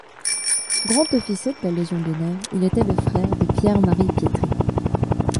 Grand officier de la Légion d'honneur, il était le frère de Pierre Marie Pietri.